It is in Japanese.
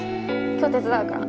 今日手伝うから。